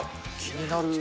気になる。